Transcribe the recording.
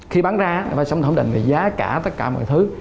khi bán ra phải thẩm định về giá cả tất cả mọi thứ